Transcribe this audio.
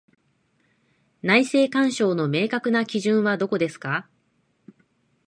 内政干渉の明確な基準はどこですか？